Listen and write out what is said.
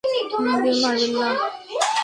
আমাকে মারবেন না।